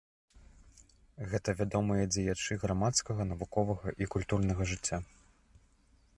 Гэта вядомыя дзеячы грамадскага, навуковага і культурнага жыцця.